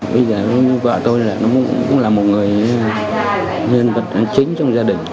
bây giờ vợ tôi cũng là một người nhân vật chính trong gia đình